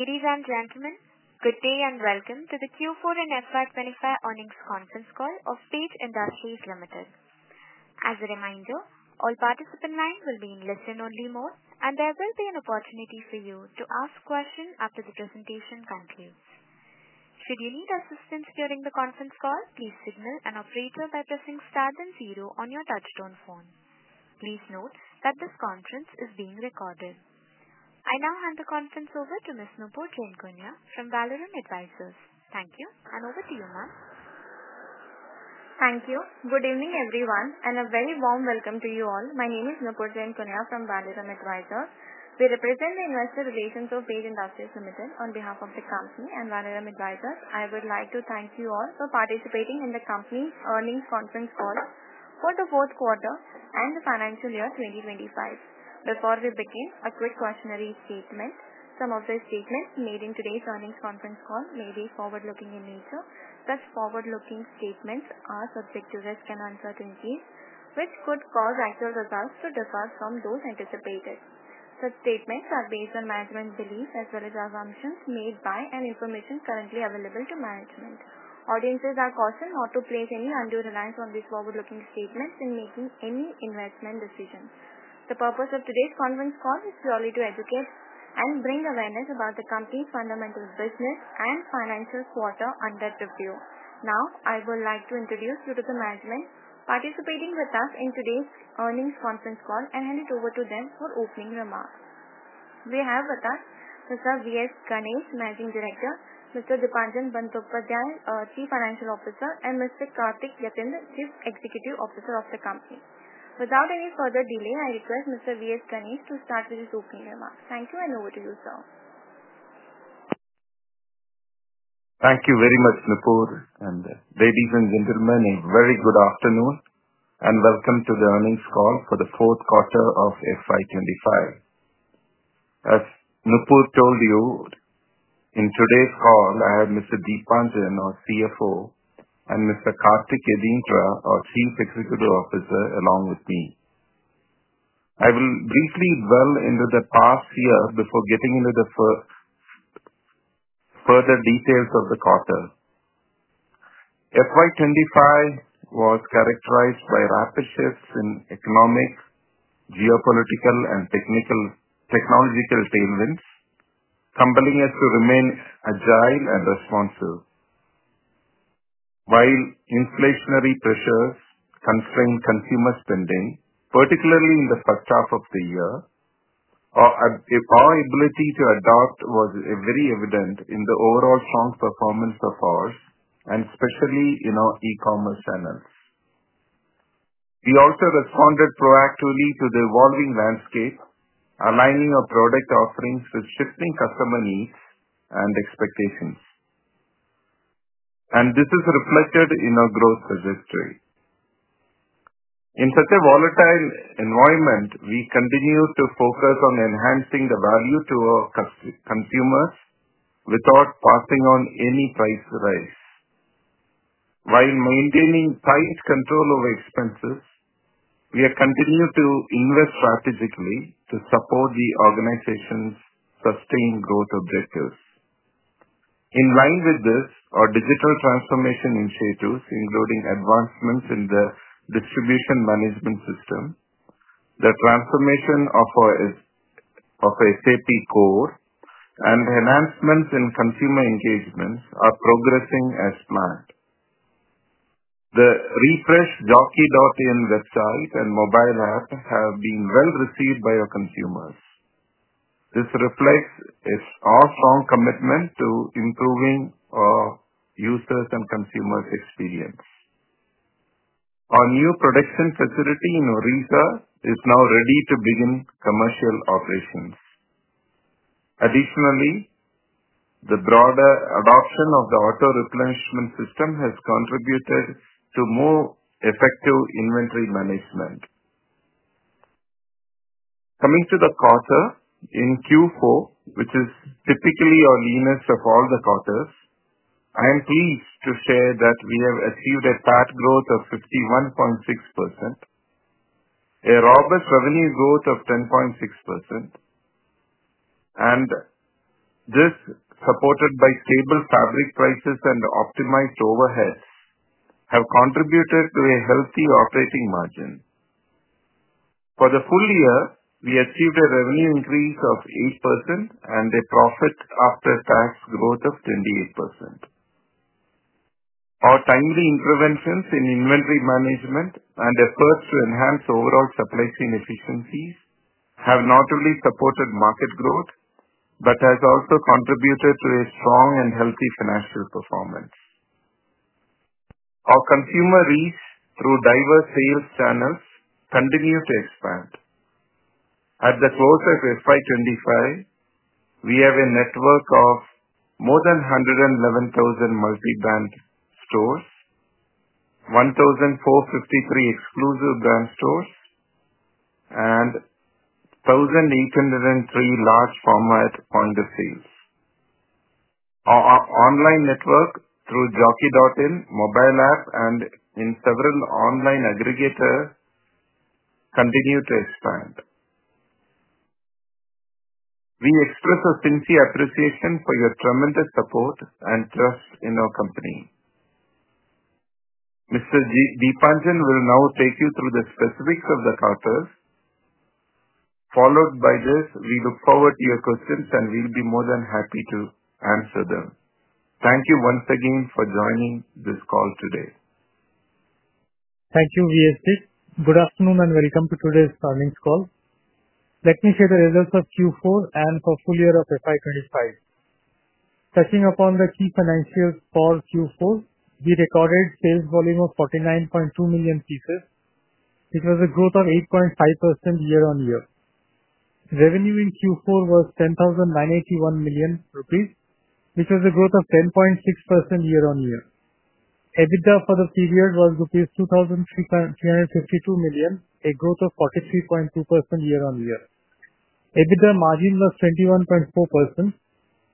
Ladies and gentlemen, good day and welcome to the Q4 and FY25 earnings conference call of Page Industries Limited. As a reminder, all participants' names will be in listen-only mode, and there will be an opportunity for you to ask questions after the presentation concludes. Should you need assistance during the conference call, please signal an operator by pressing star then zero on your touch-tone phone. Please note that this conference is being recorded. I now hand the conference over to Ms. Nupur Jainkunia from Valorem Advisors. Thank you, and over to you, ma'am. Thank you. Good evening, everyone, and a very warm welcome to you all. My name is Nupur Jainkunia from Valorem Advisors. We represent the investor relations of Page Industries Limited on behalf of the company and Valorem Advisors. I would like to thank you all for participating in the company's earnings conference call for the fourth quarter and the financial year 2025. Before we begin, a quick cautionary statement. Some of the statements made in today's earnings conference call may be forward-looking in nature. Such forward-looking statements are subject to risk and uncertainties, which could cause actual results to differ from those anticipated. Such statements are based on management beliefs as well as assumptions made by and information currently available to management. Audiences are cautioned not to place any undue reliance on these forward-looking statements in making any investment decisions. The purpose of today's conference call is purely to educate and bring awareness about the company's fundamental business and financial quarter under review. Now, I would like to introduce you to the management participating with us in today's earnings conference call and hand it over to them for opening remarks. We have with us Mr. V.S. Ganesh, Managing Director; Mr. Deepanjan Bandyopadhyay, Chief Financial Officer; and Mr. Karthik Yathindra, Chief Executive Officer of the company. Without any further delay, I request Mr. V.S. Ganesh to start with his opening remarks. Thank you, and over to you, sir. Thank you very much, Nupur. Ladies and gentlemen, a very good afternoon, and welcome to the earnings call for the fourth quarter of FY25. As Nupur told you, in today's call, I have Mr. Deepanjan, our CFO, and Mr. Karthik Yathindra, our Chief Executive Officer, along with me. I will briefly dwell into the past year before getting into the further details of the quarter. FY25 was characterized by rapid shifts in economic, geopolitical, and technological tailwinds, humbling us to remain agile and responsive. While inflationary pressures constrained consumer spending, particularly in the first half of the year, our ability to adapt was very evident in the overall strong performance of ours, especially in our e-commerce channels. We also responded proactively to the evolving landscape, aligning our product offerings with shifting customer needs and expectations. This is reflected in our growth trajectory. In such a volatile environment, we continue to focus on enhancing the value to our consumers without passing on any price rise. While maintaining tight control over expenses, we continue to invest strategically to support the organization's sustained growth objectives. In line with this, our digital transformation initiatives, including advancements in the distribution management system, the transformation of our SAP core, and enhancements in consumer engagement are progressing as planned. The refreshed jockey.in website and mobile app have been well received by our consumers. This reflects our strong commitment to improving our users' and consumers' experience. Our new production facility in Odisha is now ready to begin commercial operations. Additionally, the broader adoption of the auto-replenishment system has contributed to more effective inventory management. Coming to the quarter, in Q4, which is typically our leanest of all the quarters, I am pleased to share that we have achieved a PAT growth of 51.6%, a robust revenue growth of 10.6%, and this, supported by stable fabric prices and optimized overheads, has contributed to a healthy operating margin. For the full year, we achieved a revenue increase of 8% and a profit after-tax growth of 28%. Our timely interventions in inventory management and efforts to enhance overall supply chain efficiencies have not only supported market growth but have also contributed to a strong and healthy financial performance. Our consumer reach through diverse sales channels continues to expand. At the close of FY25, we have a network of more than 111,000 multi-brand stores 1,453 exclusive brand stores, and 1,803 large-format point-of-sales. Our online network through jockey.in, mobile app, and several online aggregators continues to expand. We express our sincere appreciation for your tremendous support and trust in our company. Mr. Deepanjan will now take you through the specifics of the quarters. Followed by this, we look forward to your questions, and we'll be more than happy to answer them. Thank you once again for joining this call today. Thank you, V.S. Ganesh. Good afternoon and welcome to today's earnings call. Let me share the results of Q4 and for full year of FY25. Touching upon the key financials for Q4, we recorded sales volume of 49.2 million pieces, which was a growth of 8.5% year-on-year. Revenue in Q4 was 10,981 million rupees, which was a growth of 10.6% year-on-year. EBITDA for the period was rupees 2,352 million, a growth of 43.2% year-on-year. EBITDA margin was 21.4%.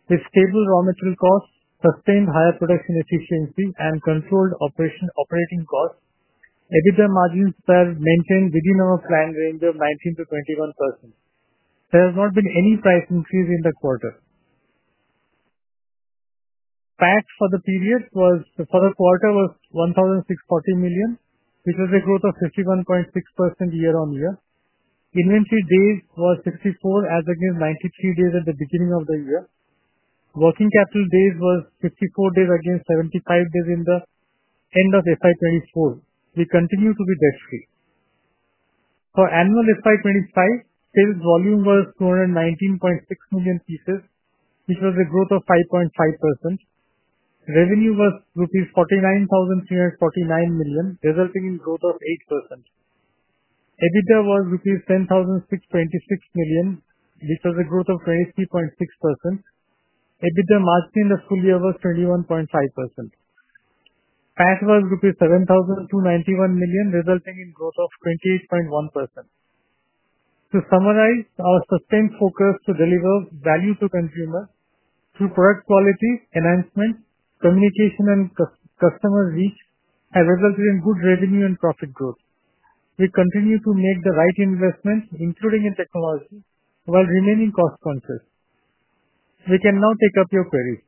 With stable raw material costs, sustained higher production efficiency, and controlled operating costs, EBITDA margins were maintained within our planned range of 19%-21%. There has not been any price increase in the quarter. PAT for the period was for the quarter was 1,640 million, which was a growth of 51.6% year-on-year. Inventory days were 64, as against 93 days at the beginning of the year. Working capital days were 54, against 75 days in the end of FY2024. We continue to be debt-free. For annual FY2025, sales volume was 219.6 million pieces, which was a growth of 5.5%. Revenue was rupees 49,349 million, resulting in growth of 8%. EBITDA was rupees 10,626 million, which was a growth of 23.6%. EBITDA margin in the full year was 21.5%. PAT was 7,291 million, resulting in growth of 28.1%. To summarize, our sustained focus to deliver value to consumers through product quality, enhancement, communication, and customer reach has resulted in good revenue and profit growth. We continue to make the right investments, including in technology, while remaining cost-conscious. We can now take up your queries.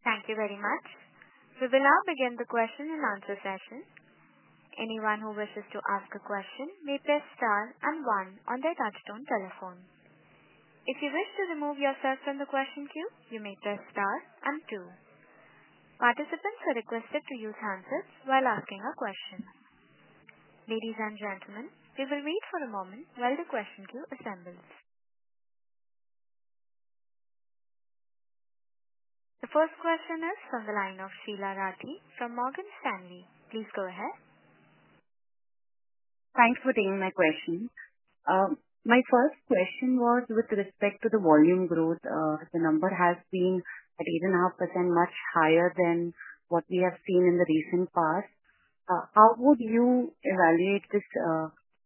Thank you very much. We will now begin the question-and-answer session. Anyone who wishes to ask a question may press star and one on their touch-tone telephone. If you wish to remove yourself from the question queue, you may press star and two. Participants are requested to use handsets while asking a question. Ladies and gentlemen, we will wait for a moment while the question queue assembles. The first question is from the line of Sheela Rathy from Morgan Stanley. Please go ahead. Thanks for taking my question. My first question was with respect to the volume growth. The number has been at 8.5%, much higher than what we have seen in the recent past. How would you evaluate this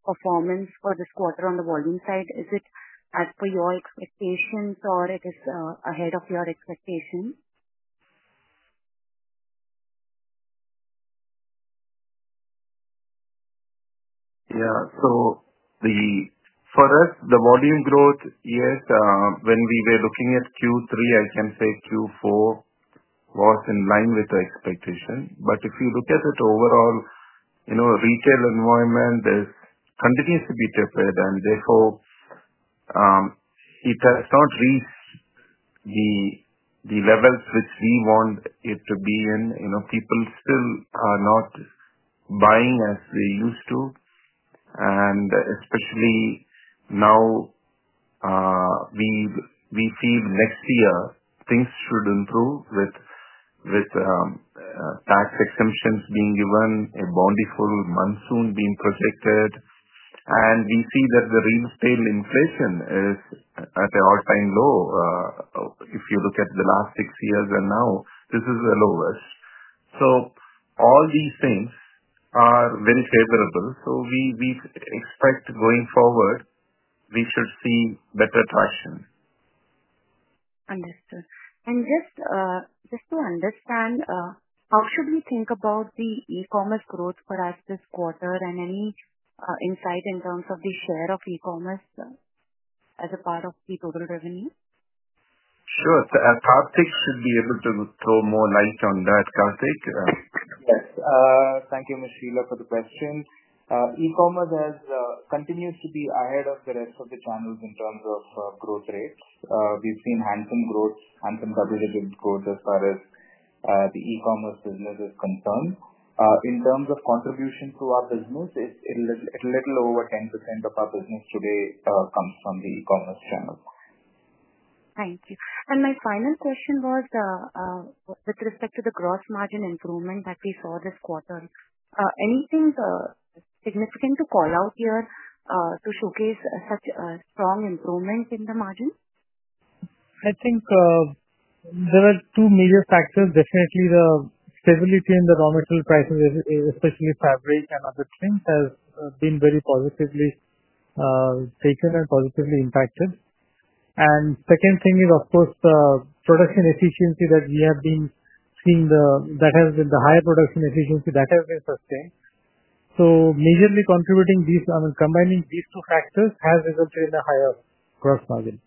performance for this quarter on the volume side? Is it as per your expectations, or is it ahead of your expectations? Yeah. So for us, the volume growth, yes, when we were looking at Q3, I can say Q4 was in line with the expectation. If you look at it overall, retail environment continues to be tepid, and therefore, it has not reached the levels which we want it to be in. People still are not buying as they used to. Especially now, we feel next year things should improve with tax exemptions being given, a bountiful monsoon being projected. We see that the real estate inflation is at an all-time low. If you look at the last six years and now, this is the lowest. All these things are very favorable. We expect going forward, we should see better traction. Understood. Just to understand, how should we think about the e-commerce growth for us this quarter and any insight in terms of the share of e-commerce as a part of the total revenue? Sure. Karthik should be able to throw more light on that, Karthik. Yes. Thank you, Ms. Sheela, for the question. E-commerce continues to be ahead of the rest of the channels in terms of growth rates. We've seen handsome growth, handsome double-digit growth as far as the e-commerce business is concerned. In terms of contribution to our business, a little over 10% of our business today comes from the e-commerce channel. Thank you. My final question was with respect to the gross margin improvement that we saw this quarter. Anything significant to call out here to showcase such a strong improvement in the margin? I think there are two major factors. Definitely, the stability in the raw material prices, especially fabric and other things, has been very positively taken and positively impacted. The second thing is, of course, the production efficiency that we have been seeing that has been the higher production efficiency that has been sustained. Majorly contributing these, I mean, combining these two factors has resulted in a higher gross margin.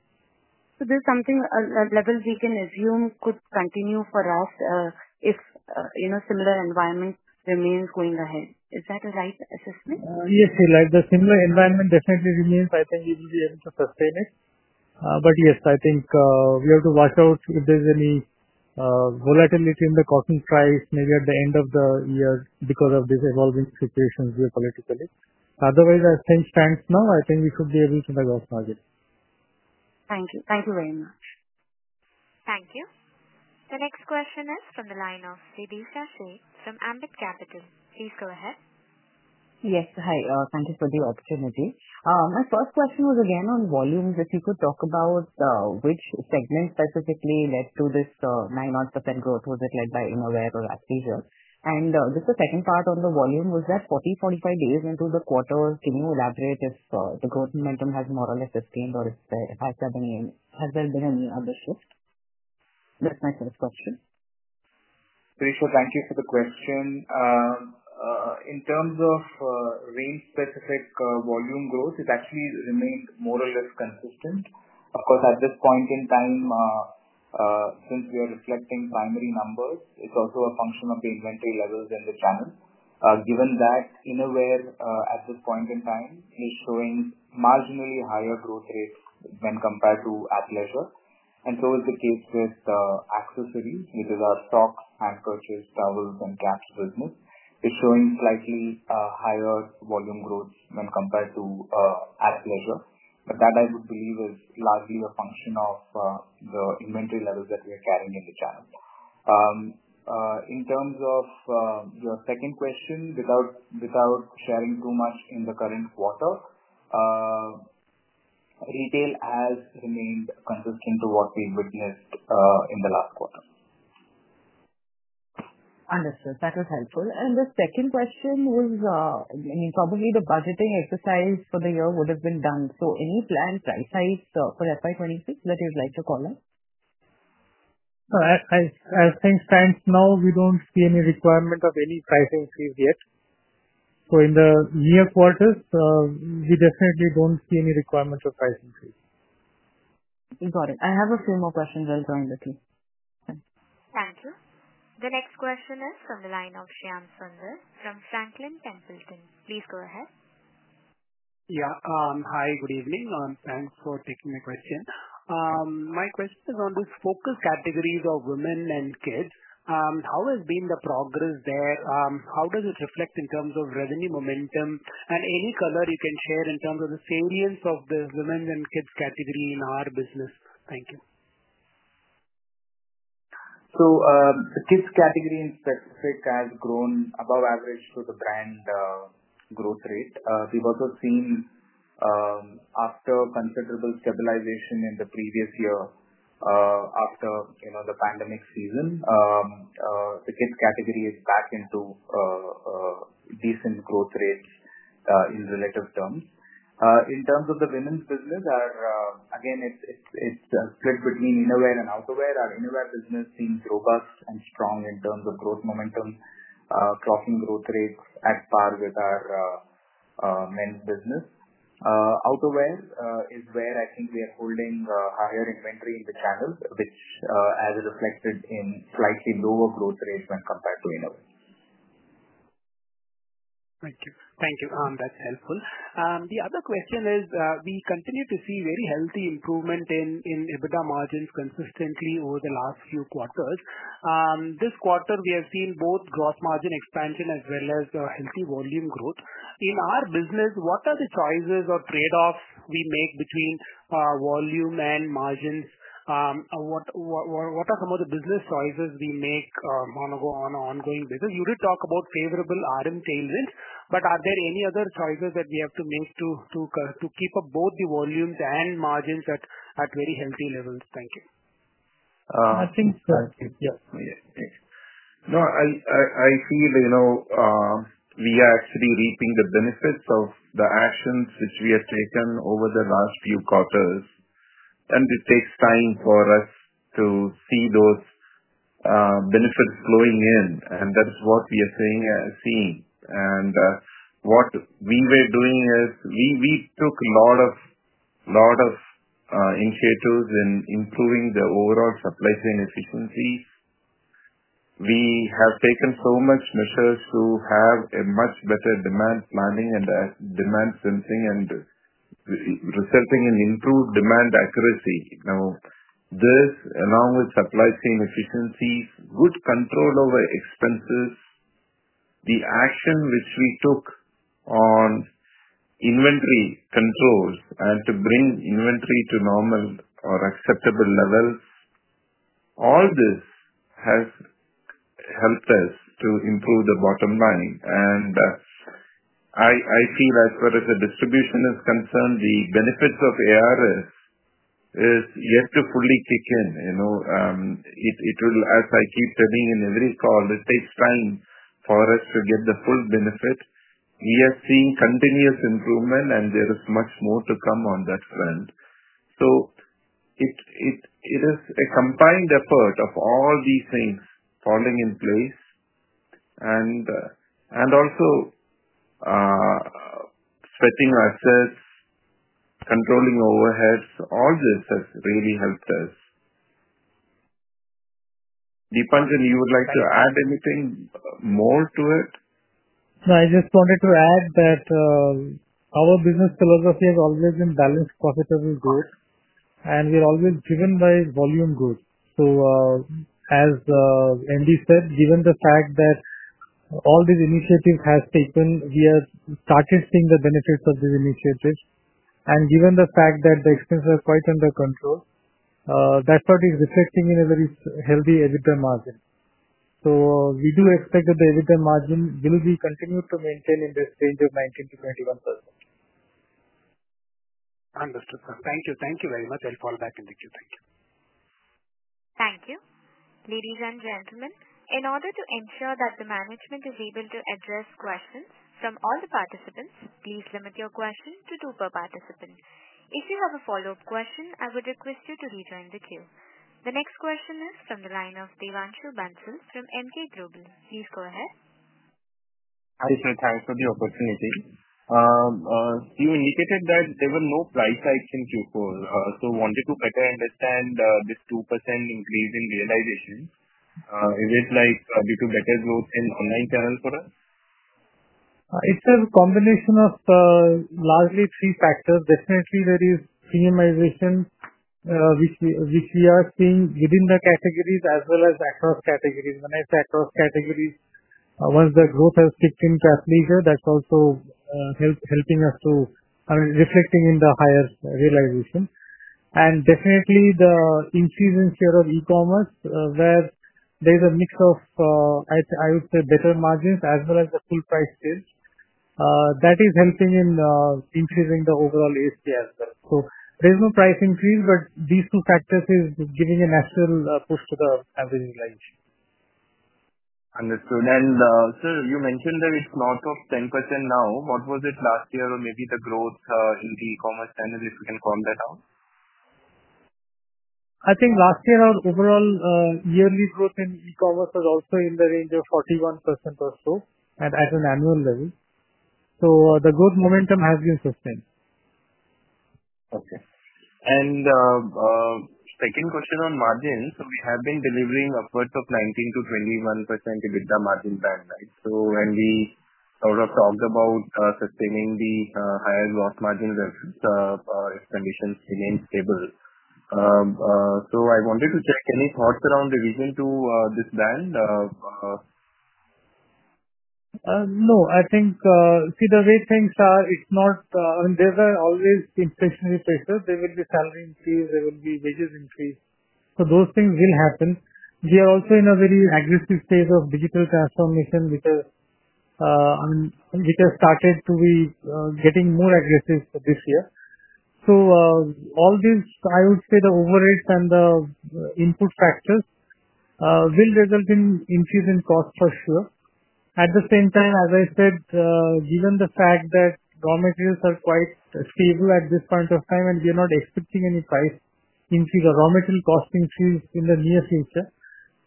There's something a level we can assume could continue for us if a similar environment remains going ahead. Is that a right assessment? Yes, Sheela. If the similar environment definitely remains, I think we will be able to sustain it. Yes, I think we have to watch out if there's any volatility in the costing price, maybe at the end of the year because of these evolving situations geopolitically. Otherwise, I'll change hands now. I think we should be able to have a gross margin. Thank you. Thank you very much. Thank you. The next question is from the line of Siddharth Sivaswamy from Ambit Capital. Please go ahead. Yes. Hi. Thank you for the opportunity. My first question was again on volume. If you could talk about which segment specifically led to this 9.5% growth? Was it led by Innovare or Athleisure? Just the second part on the volume was that 40-45 days into the quarter, can you elaborate if the growth momentum has more or less sustained or has there been any other shift? That is my first question. Thank you for the question. In terms of range-specific volume growth, it actually remained more or less consistent. Of course, at this point in time, since we are reflecting primary numbers, it is also a function of the inventory levels in the channel. Given that, Innovare at this point in time is showing marginally higher growth rates when compared to Athleisure. So is the case with Accessories, which is our socks, handkerchiefs, towels, and caps business. It is showing slightly higher volume growth when compared to Athleisure. That, I would believe, is largely a function of the inventory levels that we are carrying in the channel. In terms of your second question, without sharing too much in the current quarter, retail has remained consistent to what we witnessed in the last quarter. Understood. That was helpful. The second question was, I mean, probably the budgeting exercise for the year would have been done. Any planned price hikes for FY26 that you'd like to call out? I'll change hands now. We don't see any requirement of any pricing increase yet. In the near quarter, we definitely don't see any requirement of pricing increase. Got it. I have a few more questions while joining the team. Thank you. The next question is from the line of Shyam Sundar from Franklin Templeton. Please go ahead. Yeah. Hi, good evening. Thanks for taking my question. My question is on this focus category of women and kids. How has been the progress there? How does it reflect in terms of revenue momentum? Any color you can share in terms of the salience of the women and kids category in our business? Thank you. The kids category in specific has grown above average through the brand growth rate. We've also seen, after considerable stabilization in the previous year after the pandemic season, the kids category is back into decent growth rates in relative terms. In terms of the women's business, again, it's split between Innovare and Outerwear. Our Innovare business seems robust and strong in terms of growth momentum, clocking growth rates at par with our men's business. Outerwear is where I think we are holding higher inventory in the channel, which has reflected in slightly lower growth rates when compared to Innovare. Thank you. Thank you. That's helpful. The other question is we continue to see very healthy improvement in EBITDA margins consistently over the last few quarters. This quarter, we have seen both gross margin expansion as well as healthy volume growth. In our business, what are the choices or trade-offs we make between volume and margins? What are some of the business choices we make on an ongoing basis? You did talk about favorable arm tailwinds, but are there any other choices that we have to make to keep up both the volumes and margins at very healthy levels? Thank you. I think so. Thank you. Yeah. No, I feel we are actually reaping the benefits of the actions which we have taken over the last few quarters. It takes time for us to see those benefits flowing in. That is what we are seeing. What we were doing is we took a lot of initiatives in improving the overall supply chain efficiency. We have taken so much measures to have a much better demand planning and demand sensing and resulting in improved demand accuracy. Now, this, along with supply chain efficiencies, good control over expenses, the action which we took on inventory controls and to bring inventory to normal or acceptable levels, all this has helped us to improve the bottom line. I feel as far as the distribution is concerned, the benefits of ARS is yet to fully kick in. It will, as I keep telling in every call, it takes time for us to get the full benefit. We are seeing continuous improvement, and there is much more to come on that front. It is a combined effort of all these things falling in place. Also, splitting assets, controlling overheads, all this has really helped us. Deepanjan, you would like to add anything more to it? No, I just wanted to add that our business philosophy has always been balanced profitable growth, and we are always driven by volume growth. As Andy said, given the fact that all these initiatives have taken, we have started seeing the benefits of these initiatives. Given the fact that the expenses are quite under control, that is what is reflecting in a very healthy EBITDA margin. We do expect that the EBITDA margin will be continued to maintain in this range of 19%-21%. Understood, sir. Thank you. Thank you very much. I'll fall back into queue. Thank you. Thank you. Ladies and gentlemen, in order to ensure that the management is able to address questions from all the participants, please limit your question to two per participant. If you have a follow-up question, I would request you to rejoin the queue. The next question is from the line of Devanshu Bansal from EmkayGlobal. Please go ahead. Hi, Sundar. Thanks for the opportunity. You indicated that there were no price hikes in Q4, so wanted to better understand this 2% increase in realization. Is it due to better growth in online channels for us? It's a combination of largely three factors. Definitely, there is premiumization, which we are seeing within the categories as well as across categories. When I say across categories, once the growth has kicked in to Activision, that's also helping us to reflecting in the higher realization. Definitely, the increase in share of e-commerce where there is a mix of, I would say, better margins as well as the full price sales, that is helping in increasing the overall ASP as well. There's no price increase, but these two factors are giving a natural push to the average realization. Understood. Sir, you mentioned that it's north of 10% now. What was it last year or maybe the growth in the e-commerce channel if you can call that out? I think last year, our overall yearly growth in e-commerce was also in the range of 41% or so at an annual level. The growth momentum has been sustained. Okay. Second question on margins. We have been delivering upwards of 19%-21% EBITDA margin band, right? When we sort of talked about sustaining the higher gross margin if conditions remain stable, I wanted to check any thoughts around the reason to this band? No. I think, see, the way things are, it's not, I mean, there are always inflationary pressures. There will be salary increase. There will be wages increase. Those things will happen. We are also in a very aggressive phase of digital transformation, which has started to be getting more aggressive this year. All these, I would say, the overheads and the input factors will result in increase in cost for sure. At the same time, as I said, given the fact that raw materials are quite stable at this point of time, and we are not expecting any price increase or raw material cost increase in the near future.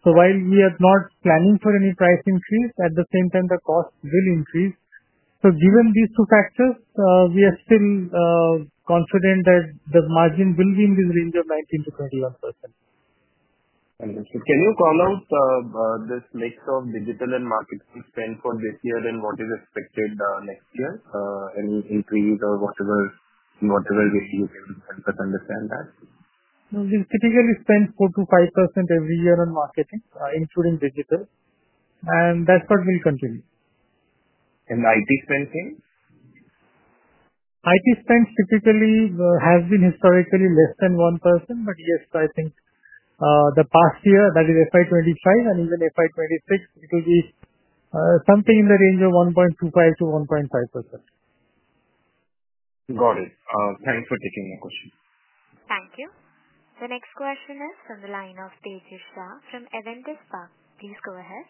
While we are not planning for any price increase, at the same time, the cost will increase. Given these two factors, we are still confident that the margin will be in this range of 19%-21%. Understood. Can you call out this mix of digital and marketing spend for this year and what is expected next year? Any increase or whatever way you can help us understand that? We typically spend 4%-5% every year on marketing, including digital. That's what will continue. IT spend things? IT spend typically has been historically less than 1%. Yes, I think the past year, that is FY2025 and even FY2026, it will be something in the range of 1.25%-1.5%. Got it. Thanks for taking my question. Thank you. The next question is from the line of Tejas Shah from Avendus Capital. Please go ahead.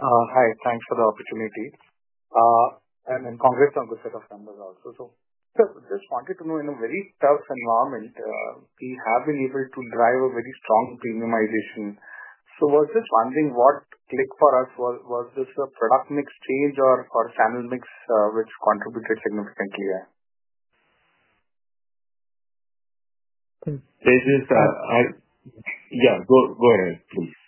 Hi. Thanks for the opportunity. Congrats on the set of numbers also. I just wanted to know, in a very tough environment, we have been able to drive a very strong premiumization. I was just wondering what clicked for us. Was this a product mix change or channel mix which contributed significantly? Tejas Shah. Yeah. Go ahead, please.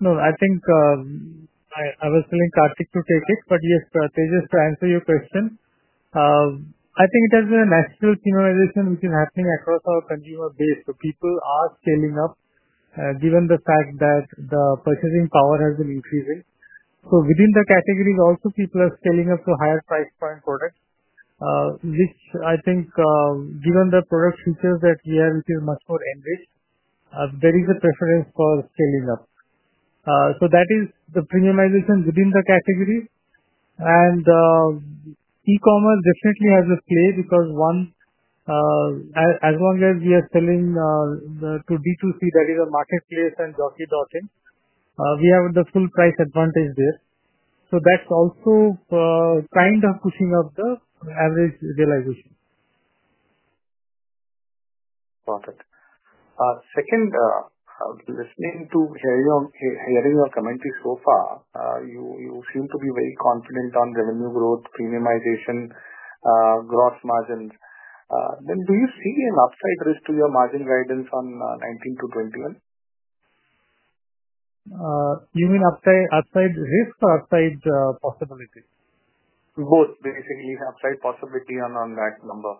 No, I think I was telling Karthik to take it. Yes, Tejas, to answer your question, I think it has been a natural premiumization which is happening across our consumer base. People are scaling up given the fact that the purchasing power has been increasing. Within the categories, also, people are scaling up to higher price point products, which I think, given the product features that we have, which is much more enriched, there is a preference for scaling up. That is the premiumization within the categories. E-commerce definitely has a play because, one, as long as we are selling to D2C, that is a marketplace and jockey dotting, we have the full price advantage there. That is also kind of pushing up the average realization. Got it. Second, listening to hearing your commentary so far, you seem to be very confident on revenue growth, premiumization, gross margins. Do you see an upside risk to your margin guidance on 19%-21%? You mean upside risk or upside possibility? Both, basically. Upside possibility on that number.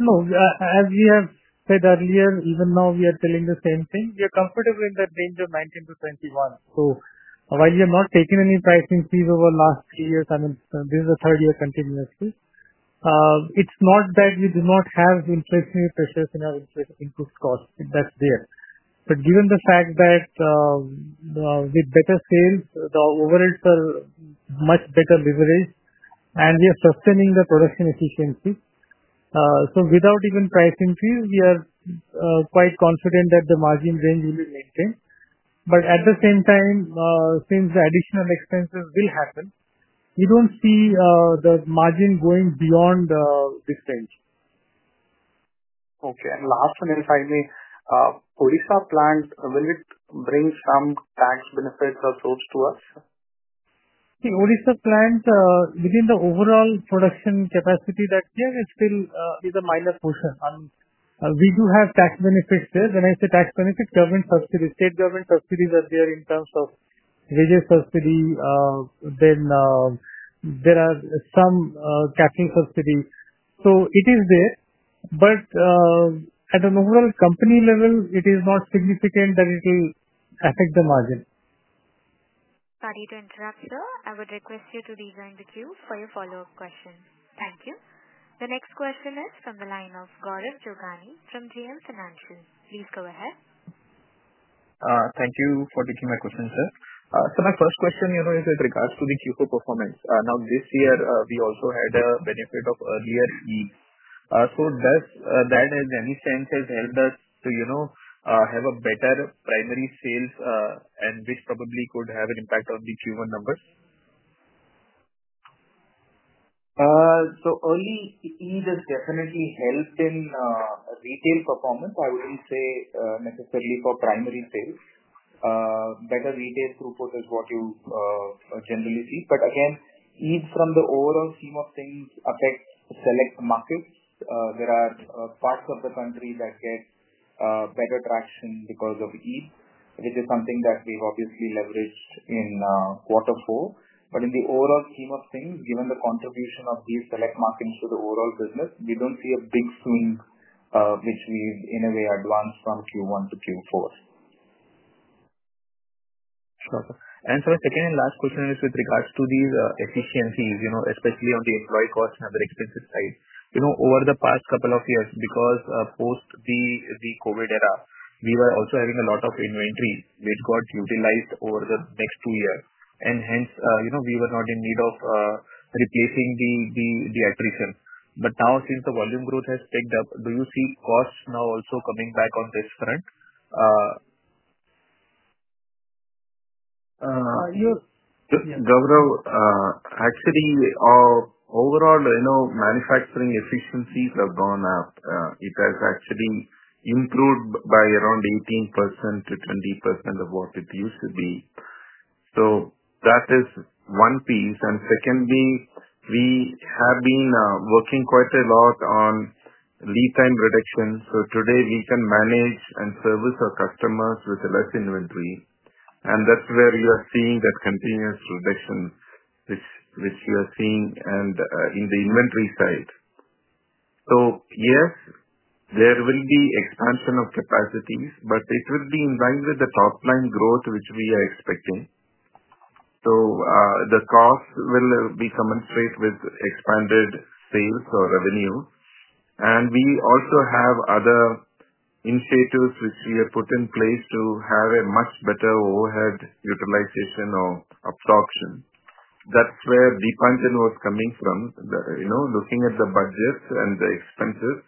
No. As we have said earlier, even now we are telling the same thing. We are comfortable in that range of 19%-21%. While we have not taken any pricing increase over the last few years, I mean, this is the third year continuously, it's not that we do not have inflationary pressures in our increased costs. That's there. Given the fact that with better sales, the overheads are much better leveraged, and we are sustaining the production efficiency. Without even price increase, we are quite confident that the margin range will be maintained. At the same time, since the additional expenses will happen, we do not see the margin going beyond this range. Okay. Last one is, I mean, Odisha plant, will it bring some tax benefits or thoughts to us? See, Odisha plant, within the overall production capacity that we have, it's still in the minor portion. We do have tax benefits there. When I say tax benefits, government subsidies, state government subsidies are there in terms of wages subsidy. Then there are some capital subsidies. So it is there. At an overall company level, it is not significant that it will affect the margin. Sorry to interrupt, sir. I would request you to rejoin the queue for your follow-up question. Thank you. The next question is from the line of Gaurav Jogani from JM Financial. Please go ahead. Thank you for taking my question, sir. My first question is with regards to the Q4 performance. Now, this year, we also had a benefit of earlier EEs. Does that, in any sense, have helped us to have a better primary sales, and which probably could have an impact on the Q1 numbers? Early EEs have definitely helped in retail performance, I would not say necessarily for primary sales. Better retail throughput is what you generally see. Again, EEs from the overall scheme of things affect select markets. There are parts of the country that get better traction because of EEs, which is something that we have obviously leveraged in Q4. In the overall scheme of things, given the contribution of these select markets to the overall business, we do not see a big swing which we have, in a way, advanced from Q1 to Q4. Sure. Sir, the second and last question is with regards to these efficiencies, especially on the employee cost and other expenses side. Over the past couple of years, because post the COVID era, we were also having a lot of inventory which got utilized over the next two years. Hence, we were not in need of replacing the attrition. Now, since the volume growth has picked up, do you see costs now also coming back on this front? Yes. Gaurav, actually, overall manufacturing efficiencies have gone up. It has actually improved by around 18%-20% of what it used to be. That is one piece. Secondly, we have been working quite a lot on lead time reduction. Today, we can manage and service our customers with less inventory. That is where you are seeing that continuous reduction which you are seeing in the inventory side. Yes, there will be expansion of capacities, but it will be in line with the top-line growth which we are expecting. The cost will be commensurate with expanded sales or revenue. We also have other initiatives which we have put in place to have a much better overhead utilization or absorption. That is where Deepanjan was coming from. Looking at the budgets and the expenses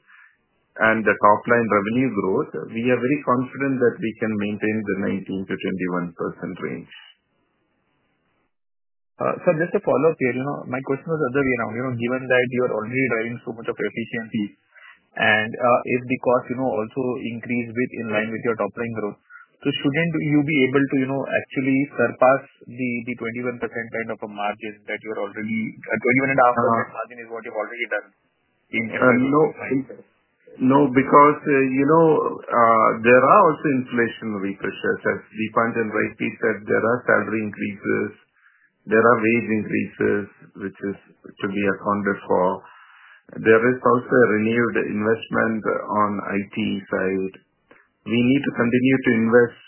and the top-line revenue growth, we are very confident that we can maintain the 19%-21% range. Sir, just a follow-up here. My question was earlier around, given that you are already driving so much of efficiency, and if the cost also increased in line with your top-line growth, shouldn't you be able to actually surpass the 21% kind of a margin that you are already 21.5% margin is what you've already done in effective price? No, because there are also inflationary pressures. As Deepanjan rightly said, there are salary increases. There are wage increases, which should be accounted for. There is also a renewed investment on IT side. We need to continue to invest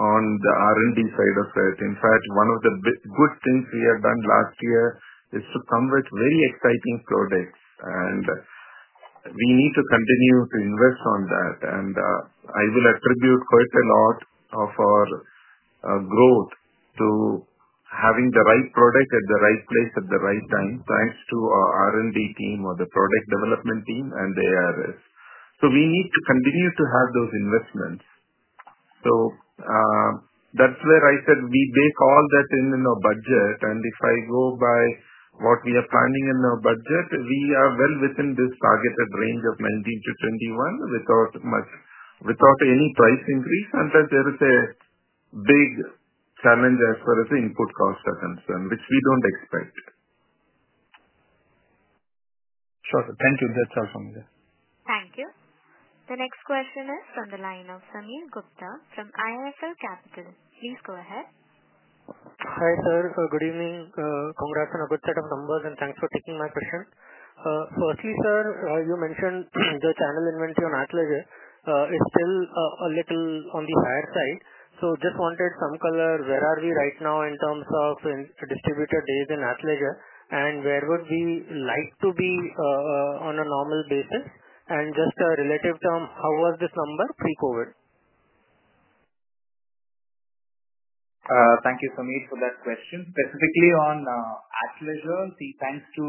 on the R&D side of it. In fact, one of the good things we have done last year is to come with very exciting products. We need to continue to invest on that. I will attribute quite a lot of our growth to having the right product at the right place at the right time, thanks to our R&D team or the product development team and ARS. We need to continue to have those investments. That is where I said we bake all that in our budget. If I go by what we are planning in our budget, we are well within this targeted range of 19%-21% without any price increase. Unless there is a big challenge as far as the input costs are concerned, which we do not expect. Sure. Thank you. That's all from me, sir. Thank you. The next question is from the line of Sameer Gupta from IIFL Capital. Please go ahead. Hi sir. Good evening. Congrats on a good set of numbers, and thanks for taking my question. Firstly, sir, you mentioned the channel inventory on Athleisure is still a little on the higher side. Just wanted some color. Where are we right now in terms of distributor days in Athleisure? Where would we like to be on a normal basis? In just a relative term, how was this number pre-COVID? Thank you, Sameer, for that question. Specifically on Athleisure, see, thanks to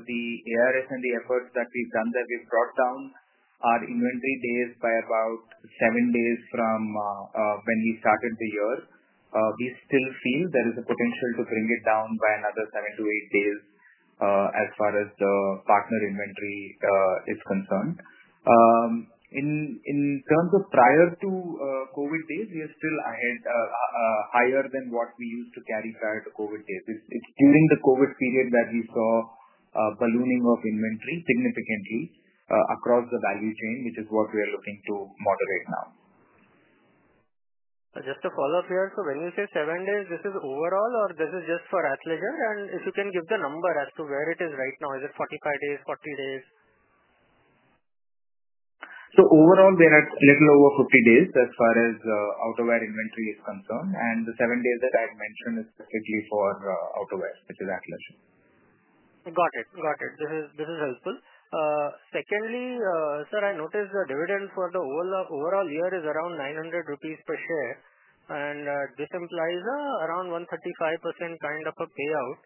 the ARS and the efforts that we've done there, we've brought down our inventory days by about seven days from when we started the year. We still feel there is a potential to bring it down by another seven to eight days as far as the partner inventory is concerned. In terms of prior to COVID days, we are still higher than what we used to carry prior to COVID days. It's during the COVID period that we saw ballooning of inventory significantly across the value chain, which is what we are looking to moderate now. Just a follow-up here. When you say seven days, is this overall, or is this just for Athleisure? If you can give the number as to where it is right now, is it 45 days, 40 days? Overall, we are at a little over 50 days as far as outerwear inventory is concerned. The seven days that I had mentioned is specifically for outerwear, which is Athleisure. Got it. Got it. This is helpful. Secondly, sir, I noticed the dividend for the overall year is around 900 rupees per share. This implies around 135% kind of a payout.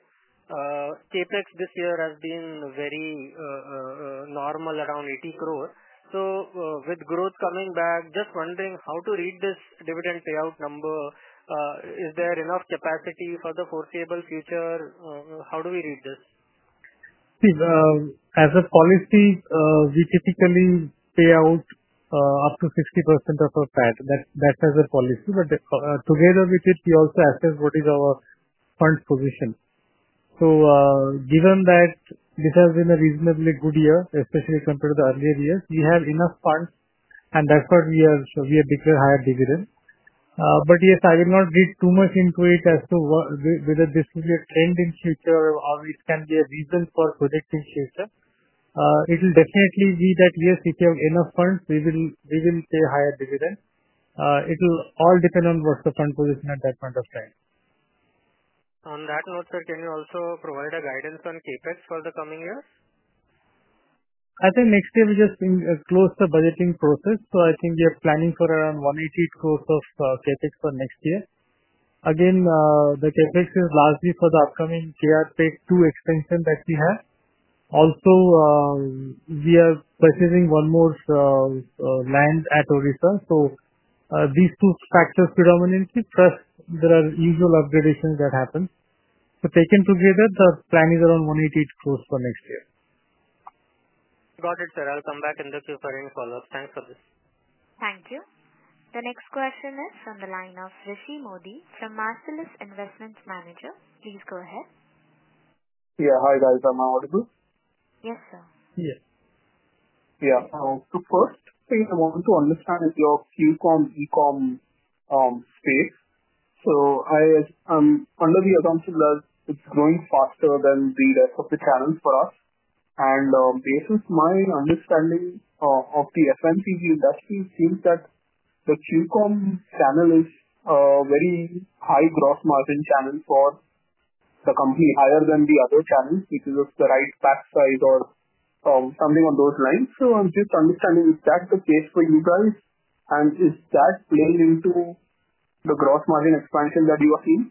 CapEx this year has been very normal, around 80 crore. With growth coming back, just wondering how to read this dividend payout number. Is there enough capacity for the foreseeable future? How do we read this? As a policy, we typically pay out up to 60% of our PAT. That's as a policy. Together with it, we also assess what is our fund position. Given that this has been a reasonably good year, especially compared to the earlier years, we have enough funds. Therefore, we have declared higher dividends. Yes, I will not get too much into it as to whether this will be a trend in future or it can be a reason for predicting future. It will definitely be that, yes, if you have enough funds, we will pay higher dividends. It will all depend on what is the fund position at that point of time. On that note, sir, can you also provide a guidance on CapEx for the coming years? I think next year, we just closed the budgeting process. I think we are planning for around 180 crore of CapEx for next year. Again, the CapEx is largely for the upcoming KRPEG II expansion that we have. Also, we are purchasing one more land at Odisha. These two factors predominantly, plus there are usual upgradations that happen. Taken together, the plan is around 180 crore for next year. Got it, sir. I'll come back and look to you for any follow-ups. Thanks for this. Thank you. The next question is from the line of Rishi Modi from Marcellus Investment Managers. Please go ahead. Yeah. Hi, guys. Am I audible? Yes, sir. Yes. Yeah. First thing I want to understand is your QCOM, ECOM space. Under the accounts of the, it's growing faster than the rest of the channels for us. Based on my understanding of the FMCG industry, it seems that the QCOM channel is a very high gross margin channel for the company, higher than the other channels, which is the right pack size or something on those lines. I'm just understanding, is that the case for you guys? Is that playing into the gross margin expansion that you are seeing?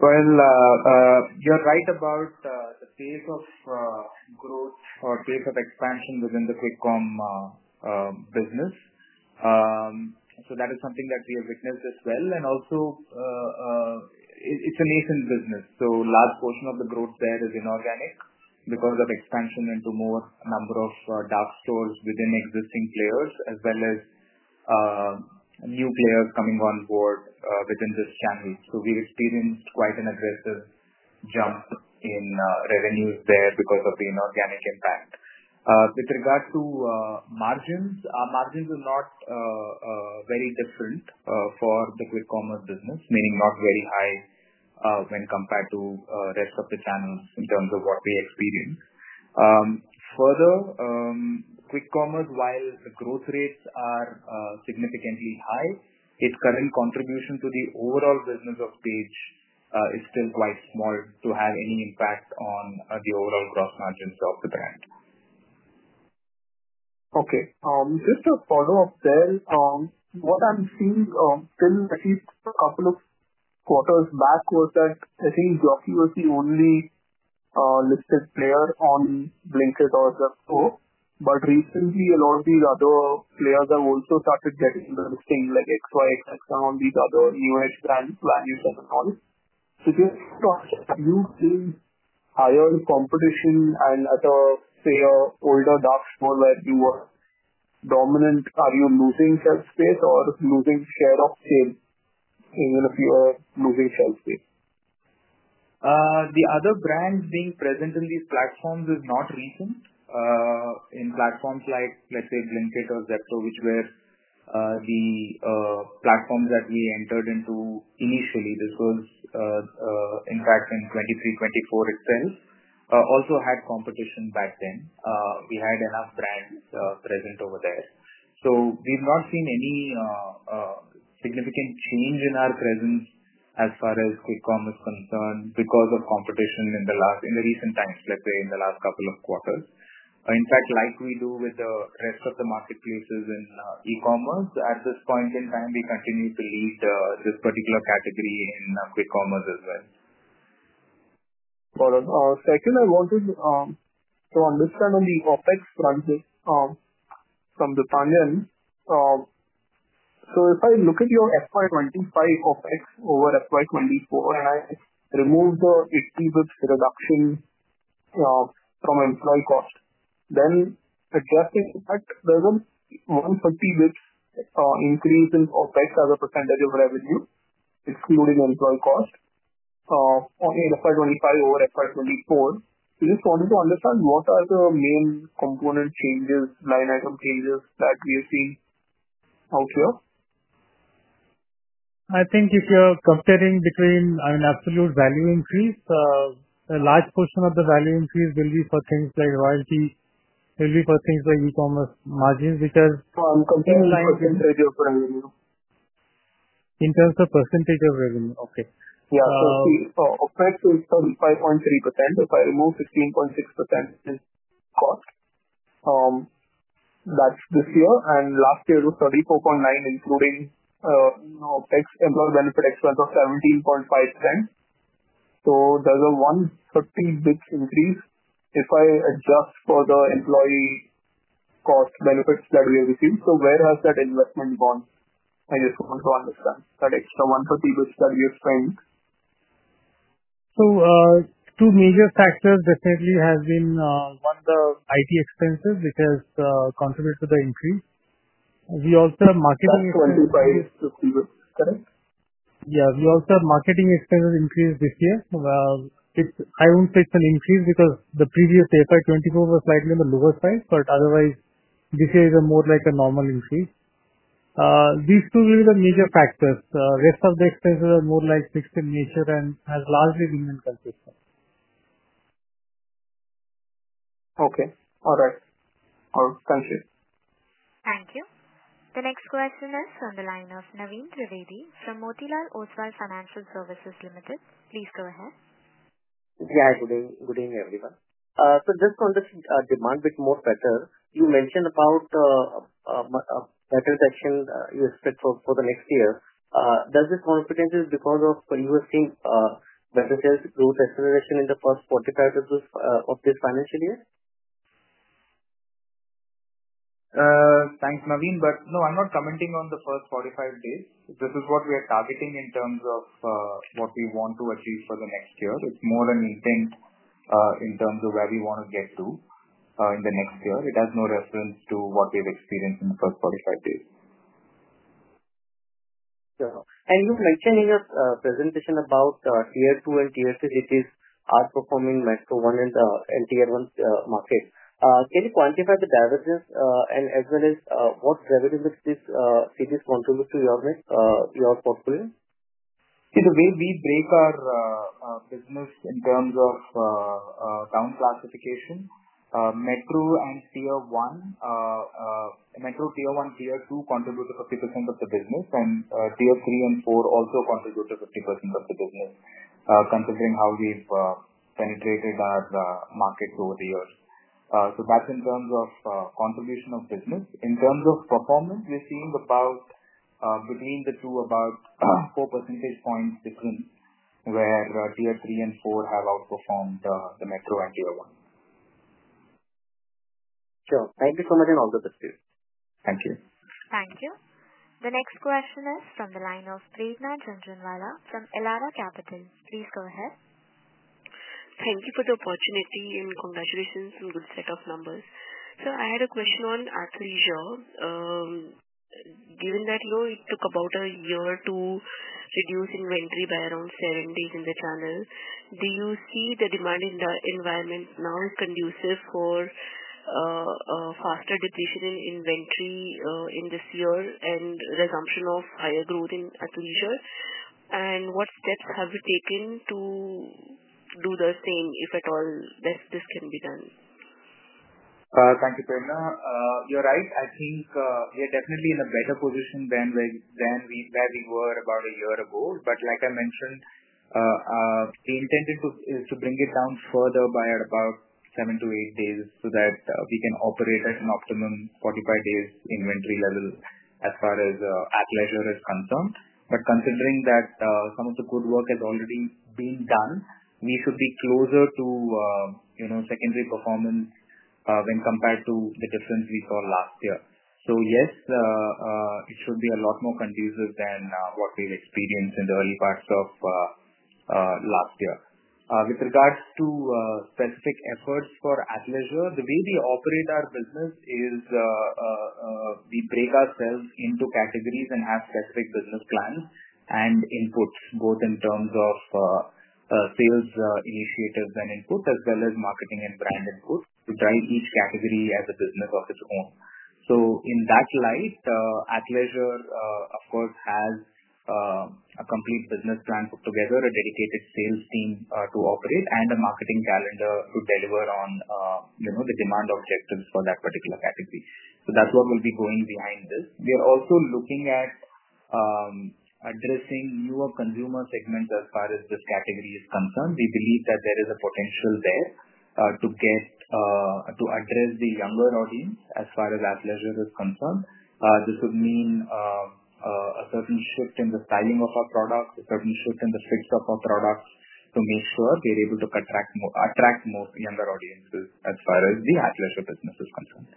You're right about the pace of growth or pace of expansion within the Quick Commerce business. That is something that we have witnessed as well. Also, it's an async business. A large portion of the growth there is inorganic because of expansion into more dark stores within existing players, as well as new players coming on board within this channel. We've experienced quite an aggressive jump in revenues there because of the inorganic impact. With regard to margins, our margins are not very different for the Quick Commerce business, meaning not very high when compared to the rest of the channels in terms of what we experience. Further, Quick Commerce, while the growth rates are significantly high, its current contribution to the overall business of Page is still quite small to have any impact on the overall gross margins of the brand. Okay. Just a follow-up there. What I'm seeing still, at least a couple of quarters back, was that I think Jockey was the only listed player on Blinkit or Zepto. But recently, a lot of these other players have also started getting listing, like XYXX and all these other new-age brand values and all. Just to ask you, in higher competition and at an older dark store where you were dominant, are you losing shelf space or losing share of sales even if you are losing shelf space? The other brands being present in these platforms is not recent. In platforms like, let's say, Blinkit or Zepto, which were the platforms that we entered into initially, this was, in fact, in 2023-2024 itself, also had competition back then. We had enough brands present over there. We've not seen any significant change in our presence as far as Quick Commerce is concerned because of competition in the recent times, let's say, in the last couple of quarters. In fact, like we do with the rest of the marketplaces in E-commerce, at this point in time, we continue to lead this particular category in Quick Commerce as well. Second, I wanted to understand on the OPEX front from Deepanjan. If I look at your FY25 OPEX over FY24, and I remove the 80 basis points reduction from employee cost, then addressing that, there is a 130 basis points increase in OPEX as a percentage of revenue, excluding employee cost, on FY25 over FY24. I just wanted to understand what are the main component changes, line item changes that we have seen out here? I think if you're comparing between an absolute value increase, a large portion of the value increase will be for things like royalty. It will be for things like e-commerce margins, which are. I'm confusing percentage of revenue. In terms of % of revenue. Okay. Yeah. So see, OpEx is 35.3%. If I remove 15.6% in cost, that's this year. Last year it was 34.9%, including OpEx, employee benefit expense of 17.5%. There's a 130 basis points increase if I adjust for the employee cost benefits that we have received. Where has that investment gone? I just want to understand that extra 130 basis points that we have spent. Two major factors definitely have been, one, the IT expenses, which has contributed to the increase. We also have marketing. That's 25, 50 basis points. Correct? Yeah. We also have marketing expenses increased this year. I would not say it is an increase because the previous FY2024 was slightly on the lower side, but otherwise, this year is more like a normal increase. These two will be the major factors. The rest of the expenses are more fixed in nature and have largely been consistent. Okay. All right. All right. Thank you. Thank you. The next question is from the line of Naveen Trivedi from Motilal Oswal Financial Services Limited. Please go ahead. Yeah. Good evening, everyone. Just on this demand bit more better, you mentioned about a better section you expect for the next year. Does this confidence is because of you have seen better sales growth acceleration in the first 45 days of this financial year? Thanks, Naveen. No, I'm not commenting on the first 45 days. This is what we are targeting in terms of what we want to achieve for the next year. It's more an intent in terms of where we want to get to in the next year. It has no reference to what we've experienced in the first 45 days. You mentioned in your presentation about Tier 2 and Tier 3 cities outperforming Metro 1 and Tier 1 market. Can you quantify the divergence and as well as what revenue cities contribute to your portfolio? The way we break our business in terms of down classification, Metro and Tier 1, Metro Tier 1, Tier 2 contribute to 50% of the business, and Tier 3 and 4 also contribute to 50% of the business, considering how we've penetrated our markets over the years. That's in terms of contribution of business. In terms of performance, we've seen between the two about 4 percentage points difference, where Tier 3 and 4 have outperformed the Metro and Tier 1. Sure. Thank you so much and all the best to you. Thank you. Thank you. The next question is from the line of Prerna Jhunjhunwala from Elara Capital. Please go ahead. Thank you for the opportunity and congratulations on the set of numbers. I had a question on Athleisure. Given that it took about a year to reduce inventory by around seven days in the channel, do you see the demand environment now conducive for faster depletion in inventory in this year and resumption of higher growth in Athleisure? What steps have you taken to do the same, if at all, this can be done? Thank you, Preghna. You're right. I think we are definitely in a better position than where we were about a year ago. Like I mentioned, we intended to bring it down further by about seven to eight days so that we can operate at an optimum 45 days inventory level as far as Athleisure is concerned. Considering that some of the good work has already been done, we should be closer to secondary performance when compared to the difference we saw last year. Yes, it should be a lot more conducive than what we've experienced in the early parts of last year. With regards to specific efforts for Athleisure, the way we operate our business is we break ourselves into categories and have specific business plans and inputs, both in terms of sales initiatives and inputs, as well as marketing and brand inputs to drive each category as a business of its own. In that light, Athleisure, of course, has a complete business plan put together, a dedicated sales team to operate, and a marketing calendar to deliver on the demand objectives for that particular category. That is what will be going behind this. We are also looking at addressing newer consumer segments as far as this category is concerned. We believe that there is a potential there to address the younger audience as far as Athleisure is concerned. This would mean a certain shift in the styling of our products, a certain shift in the fit of our products to make sure we are able to attract more younger audiences as far as the Athleisure business is concerned.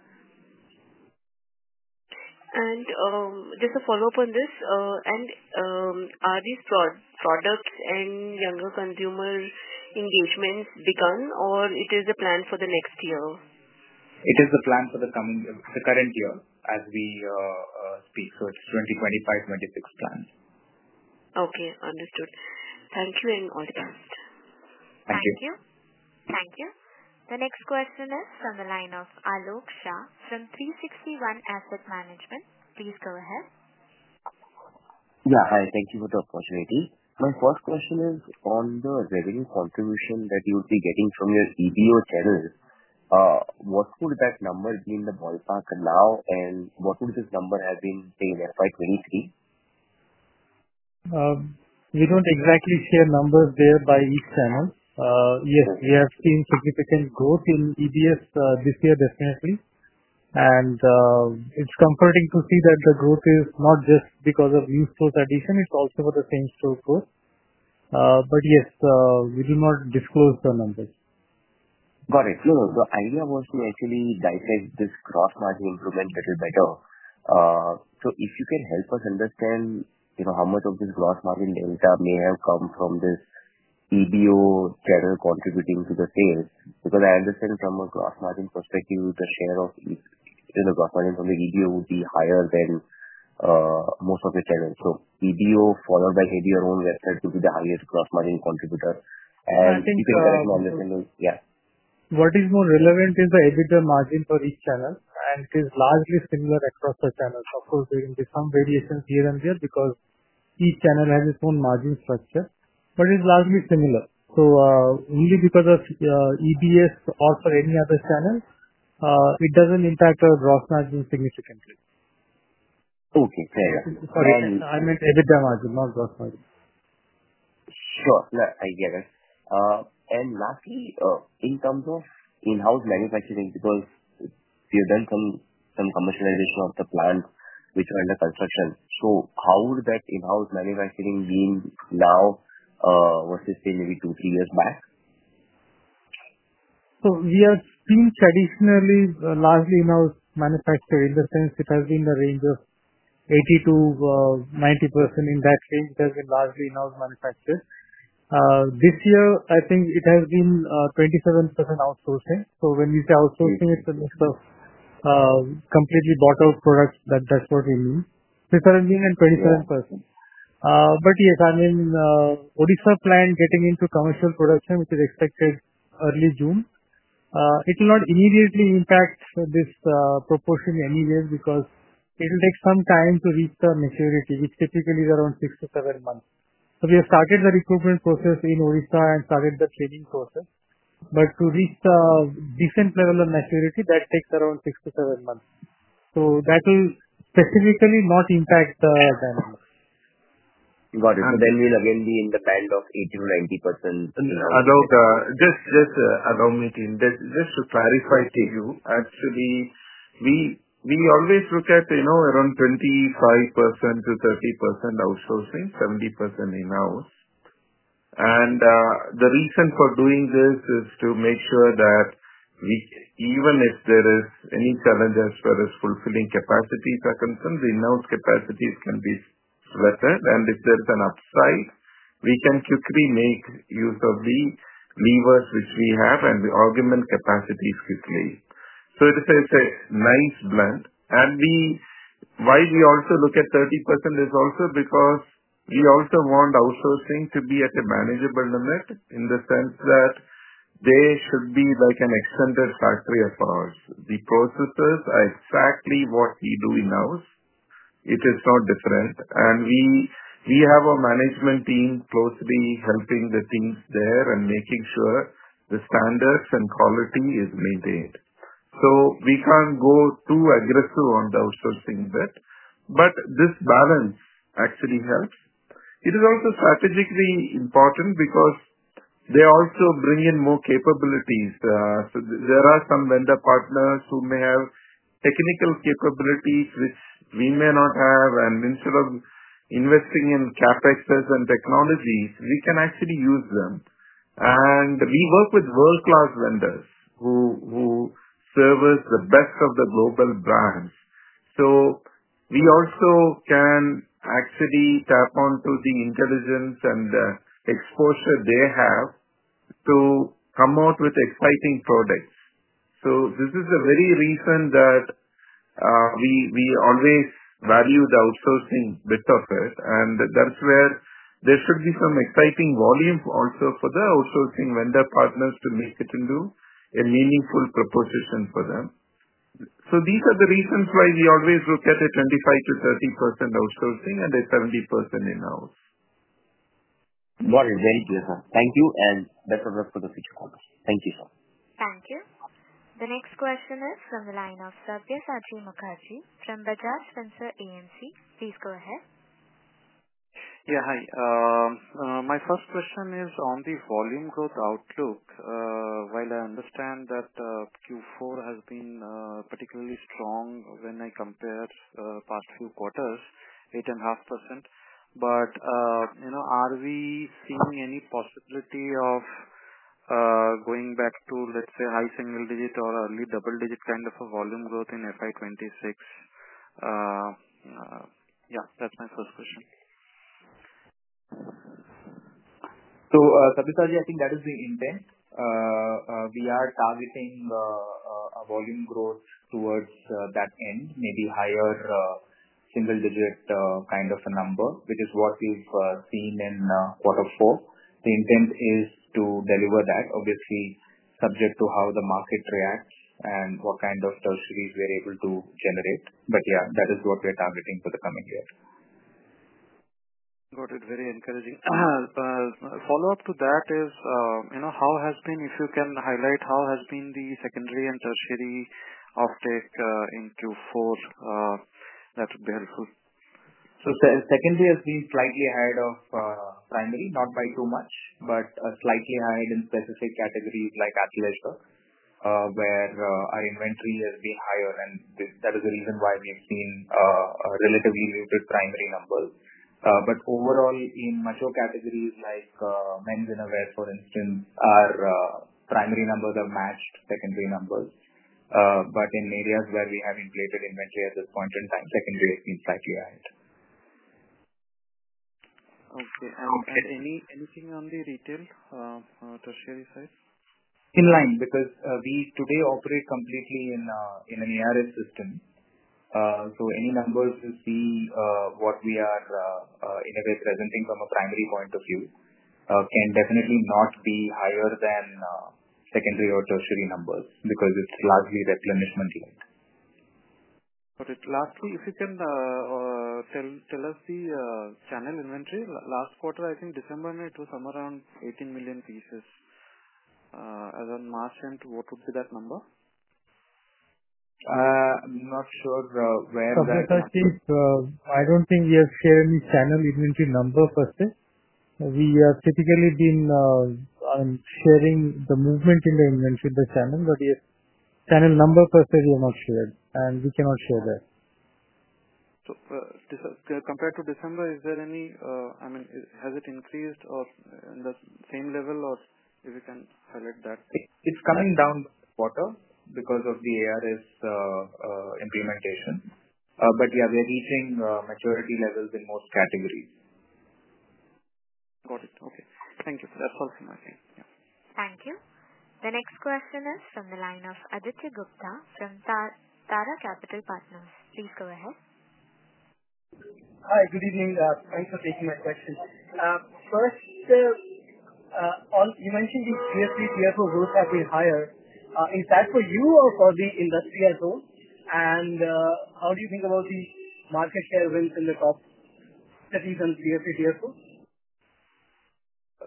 Just a follow-up on this. Are these products and younger consumer engagements begun, or is it the plan for the next year? It is the plan for the current year as we speak. So it's 2025-2026 plan. Okay. Understood. Thank you and all the best. Thank you. Thank you. Thank you. The next question is from the line of Alok Shah from 360 One Asset Management. Please go ahead. Yeah. Hi. Thank you for the opportunity. My first question is on the revenue contribution that you would be getting from your EBO channel. What would that number be in the ballpark now, and what would this number have been in FY2023? We don't exactly share numbers there by each channel. Yes, we have seen significant growth in EBS this year, definitely. It is comforting to see that the growth is not just because of new stores' addition. It is also for the same store growth. Yes, we do not disclose the numbers. Got it. No, no. The idea was to actually dissect this gross margin improvement a little better. If you can help us understand how much of this gross margin delta may have come from this EBO channel contributing to the sales, because I understand from a gross margin perspective, the share of the gross margin from the EBO would be higher than most of the channels. EBO, followed by maybe your own website, would be the highest gross margin contributor. If you can correct me on this, yeah. What is more relevant is the EBITDA margin for each channel, and it is largely similar across the channels. Of course, there will be some variations here and there because each channel has its own margin structure, but it is largely similar. Only because of EBS or for any other channel, it does not impact our gross margin significantly. Okay. Fair enough. Sorry. I meant EBITDA margin, not gross margin. Sure. Yeah. I get it. Lastly, in terms of in-house manufacturing, because we have done some commercialization of the plants which are under construction, how would that in-house manufacturing be now versus maybe two, three years back? We have been traditionally largely in-house manufactured in the sense it has been in the range of 80-90% in that range. It has been largely in-house manufactured. This year, I think it has been 27% outsourcing. When we say outsourcing, it's a mix of completely bought-out products, but that's what we mean. It's around 27%. Yes, I mean, Odisha plant getting into commercial production, which is expected early June, it will not immediately impact this proportion anyway because it will take some time to reach the maturity, which typically is around six to seven months. We have started the recruitment process in Odisha and started the training process. To reach the decent level of maturity, that takes around six to seven months. That will specifically not impact the dynamic. Got it. So then we'll again be in the band of 80-90%. Alok, just allow me to clarify to you, actually, we always look at around 25%-30% outsourcing, 70% in-house. The reason for doing this is to make sure that even if there is any challenge as far as fulfilling capacities are concerned, the in-house capacities can be strengthened. If there is an upside, we can quickly make use of the levers which we have and augment capacities quickly. It is a nice blend. We also look at 30% because we want outsourcing to be at a manageable limit in the sense that there should be an extended factory of ours. The processes are exactly what we do in-house. It is not different. We have a management team closely helping the teams there and making sure the standards and quality are maintained. We cannot go too aggressive on the outsourcing bit. This balance actually helps. It is also strategically important because they also bring in more capabilities. There are some vendor partners who may have technical capabilities which we may not have. Instead of investing in CapEx and technologies, we can actually use them. We work with world-class vendors who service the best of the global brands. We also can actually tap onto the intelligence and exposure they have to come out with exciting products. This is very recent that we always value the outsourcing bit of it. That is where there should be some exciting volume also for the outsourcing vendor partners to make it into a meaningful proposition for them. These are the reasons why we always look at a 25%-30% outsourcing and a 70% in-house. Got it. Very clear, sir. Thank you. Best of luck for the future conversation. Thank you, sir. Thank you. The next question is from the line of Sarbya Sadri Mukherjee from Bajaj Finserv. Please go ahead. Yeah. Hi. My first question is on the volume growth outlook. While I understand that Q4 has been particularly strong when I compare past few quarters, 8.5%, but are we seeing any possibility of going back to, let's say, high single digit or early double digit kind of a volume growth in FY26? Yeah. That's my first question. I think that is the intent. We are targeting a volume growth towards that end, maybe higher single digit kind of a number, which is what we've seen in quarter four. The intent is to deliver that, obviously, subject to how the market reacts and what kind of tertiaries we are able to generate. Yeah, that is what we are targeting for the coming year. Got it. Very encouraging. Follow-up to that is how has been, if you can highlight, how has been the secondary and tertiary uptake in Q4? That would be helpful. Secondary has been slightly ahead of primary, not by too much, but slightly ahead in specific categories like Athleisure, where our inventory has been higher. That is the reason why we have seen relatively limited primary numbers. Overall, in major categories like men's and innerwear, for instance, our primary numbers have matched secondary numbers. In areas where we have inflated inventory at this point in time, secondary has been slightly ahead. Okay. Anything on the retail tertiary side? In line, because we today operate completely in an ERS system. So any numbers you see what we are presenting from a primary point of view can definitely not be higher than secondary or tertiary numbers because it's largely replenishment linked. Got it. Lastly, if you can tell us the channel inventory. Last quarter, I think December, it was somewhere around 18 million pieces. As on March end, what would be that number? I'm not sure where that is. I don't think we have shared any channel inventory number per se. We have typically been sharing the movement in the inventory in the channel, but the channel number per se, we have not shared. We cannot share that. Compared to December, is there any—I mean, has it increased or the same level, or if you can highlight that? It's coming down quarter because of the ERS implementation. Yeah, we are reaching maturity levels in most categories. Got it. Okay. Thank you. That's all from my side. Thank you. The next question is from the line of Aditya Gupta from Tara Capital Partners. Please go ahead. Hi. Good evening. Thanks for taking my question. First, you mentioned the GSE TFO growth has been higher. Is that for you or for the industrial zone? How do you think about the market share wins in the top cities and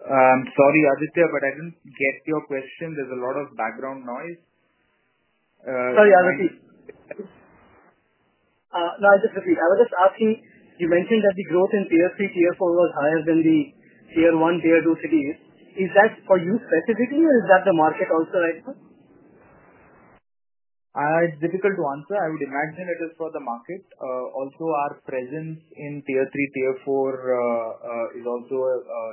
TFC TFO? Sorry, Aditya, but I didn't get your question. There's a lot of background noise. Sorry, Aditya. No, I just repeat. I was just asking, you mentioned that the growth in TFC TFO was higher than the Tier 1, Tier 2 cities. Is that for you specifically, or is that the market also right now? It's difficult to answer. I would imagine it is for the market. Also, our presence in Tier 3, Tier 4 is also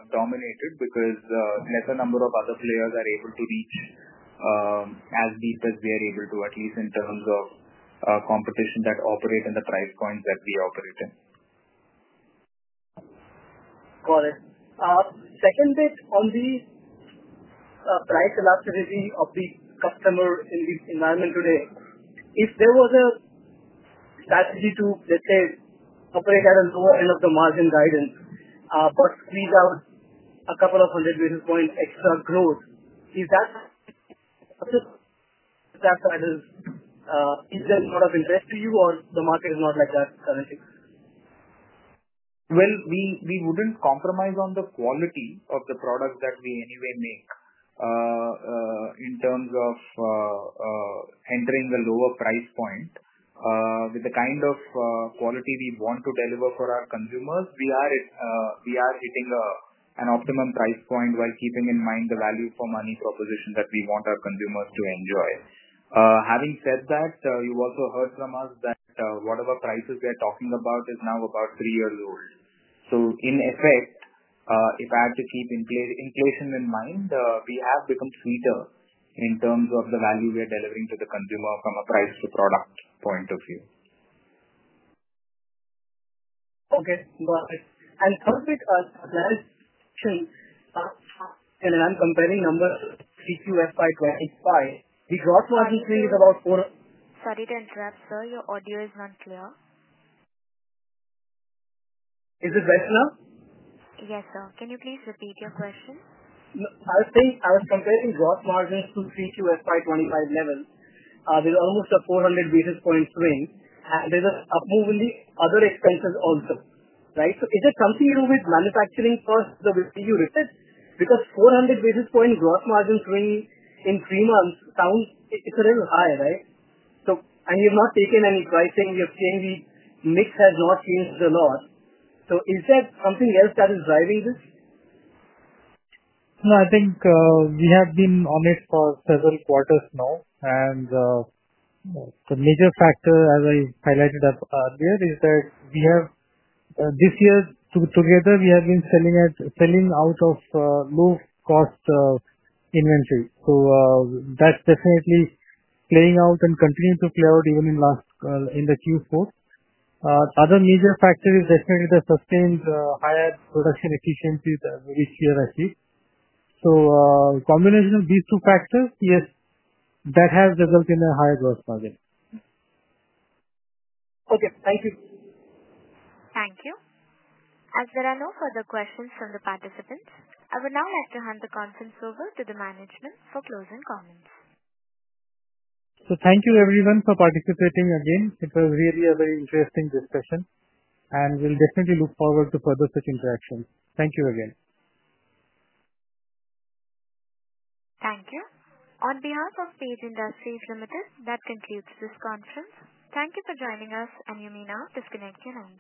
dominated because lesser number of other players are able to reach as deep as we are able to, at least in terms of competition that operate in the price points that we operate in. Got it. Second bit on the price elasticity of the customer in the environment today, if there was a capacity to, let's say, operate at a lower end of the margin guidance but squeeze out a couple of hundred basis points extra growth, is that—is that sort of interesting to you, or the market is not like that currently? We wouldn't compromise on the quality of the products that we anyway make in terms of entering a lower price point. With the kind of quality we want to deliver for our consumers, we are hitting an optimum price point while keeping in mind the value for money proposition that we want our consumers to enjoy. Having said that, you've also heard from us that whatever prices we are talking about is now about three years old. In effect, if I had to keep inflation in mind, we have become sweeter in terms of the value we are delivering to the consumer from a price-to-product point of view. Okay. Got it. How is it that—and I'm comparing number CQFI25, the gross margin screen is about. Sorry to interrupt, sir. Your audio is not clear. Is it best now? Yes, sir. Can you please repeat your question? I was saying I was comparing gross margins to CQFI25 levels. There's almost a 400 basis point swing. There's an upmove in the other expenses also, right? Is it something to do with manufacturing costs that you listed? Because 400 basis point gross margin swing in three months sounds, it's a little high, right? You've not taken any pricing. You're saying the mix has not changed a lot. Is that something else that is driving this? No, I think we have been on it for several quarters now. The major factor, as I highlighted earlier, is that this year, together, we have been selling out of low-cost inventory. That is definitely playing out and continuing to play out even in the Q4. The other major factor is definitely the sustained higher production efficiencies that we see or achieve. A combination of these two factors, yes, that has resulted in a higher gross margin. Okay. Thank you. Thank you. As there are no further questions from the participants, I would now like to hand the conference over to the management for closing comments. Thank you, everyone, for participating again. It was really a very interesting discussion. We'll definitely look forward to further such interactions. Thank you again. Thank you. On behalf of Page Industries Limited, that concludes this conference. Thank you for joining us, and you may now disconnect your line.